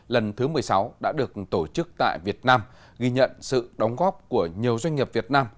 lần thứ một mươi sáu đã được tổ chức tại việt nam ghi nhận sự đóng góp của nhiều doanh nghiệp việt nam